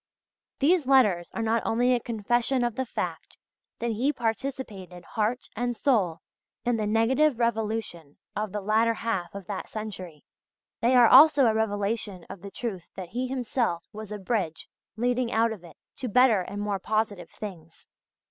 These letters are not only a confession of the fact that he participated heart and soul in the negative revolution of the latter half of that century, they are also a revelation of the truth that he himself was a bridge leading out of it, to better and more positive things.